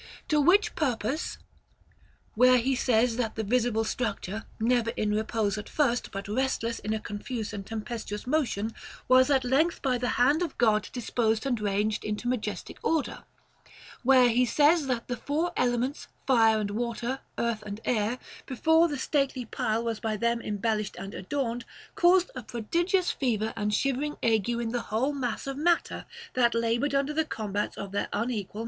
To which purpose, where he says that the visible structure, never in repose at first but restless in a confused and tem pestuous motion, was at length by the hand of God disposed and ranged into majestic order, — where he says that the four elements, fire and water, earth and air, before the stately pile was by them embellished and adorned, caused a prodigious fever and shivering ague in the whole mass of matter, that labored under the combats of their unequal * Timaeus, p. 36 E. OF THE PROCREATION OF THE SOUL.